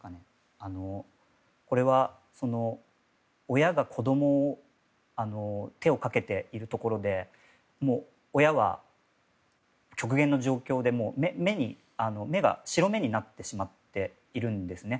これは親が子供に手をかけているところで親は極限の状況で、目が白目になってしまっているんですね。